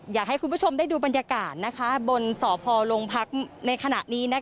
อยากให้คุณผู้ชมได้ดูบรรยากาศบนสพโรงพักในขณะนี้